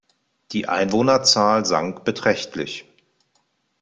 Die Einwohnerzahl sank beträchtlich.